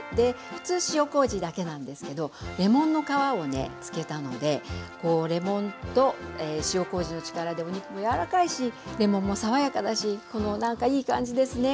普通塩こうじだけなんですけどレモンの皮を漬けたのでレモンと塩こうじの力でお肉も柔らかいしレモンも爽やかだし何かいい感じですね